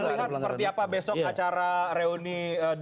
kita lihat seperti apa besok acara reuni dua ratus dua belas